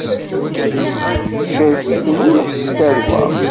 Tecrek-iten ula d tarwa.